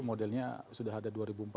modelnya sudah ada dua ribu empat belas